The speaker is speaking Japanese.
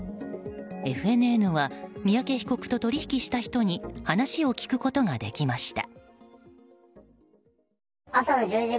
ＦＮＮは三宅被告と取引した人に話を聞くことができました。